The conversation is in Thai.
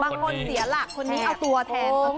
เสียหลักคนนี้เอาตัวแทน